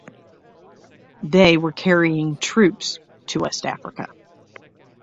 They were carrying troops to West Africa.